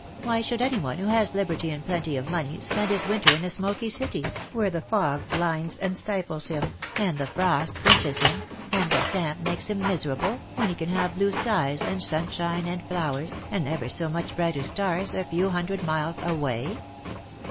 Why should any one, who has liberty and plenty of money, spend his winter in a smoky city, where the fog blinds and stifles him, and the frost pinches him, and the damp makes him miserable, when he can have blue skies, and sunshine and flowers, and ever so much brighter stars, a few hundred miles away?